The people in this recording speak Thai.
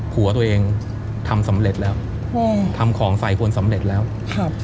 ผัวตัวเองทำสำเร็จแล้วอืมทำของใส่คนสำเร็จแล้วครับ